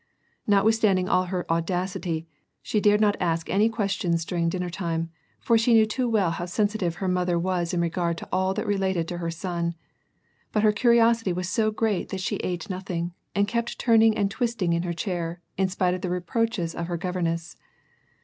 Not withstanding all her audacity, she dared not ask any questions during dinner time, for she knew too well how sensitive her mother was in regard to all that related to her son ; but her cariosity was so great that she ate nothing, and kept turning and twisting in her chair, in spite of the reproaches of her gorerness.